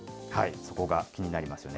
そこが気になりますよね。